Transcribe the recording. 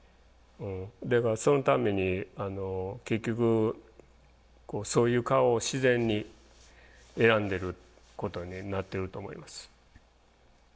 だからそのために結局そういう顔を自然に選んでることになってると思います。